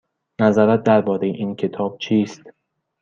نظرت درباره این کتاب چیست؟